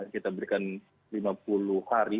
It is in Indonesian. kita berikan lima puluh hari